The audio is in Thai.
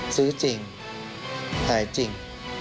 ซื้อจริงหายจริง